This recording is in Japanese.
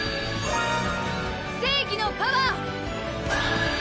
正義のパワー！